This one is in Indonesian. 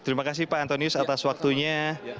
terima kasih pak antonius atas waktunya